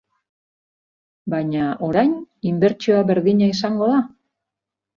Baina, orain, inbertsioa berdina izango da?